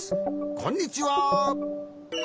こんにちは。